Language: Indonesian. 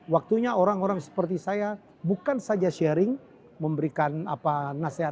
waktunya orang orang seperti saya bukan saja sharing memberikan nasihat